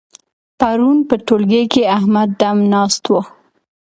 پرون په ټولګي کې احمد دم ناست وو.